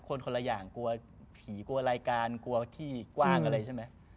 คนคนละอย่างกลัวผีกลัวรายการกลัวที่กว้างอะไรใช่ไหม